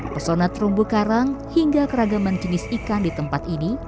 pesona terumbu karang hingga keragaman jenis ikan di tempat ini